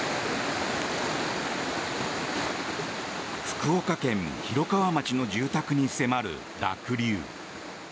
福岡県広川町の住宅に迫る濁流。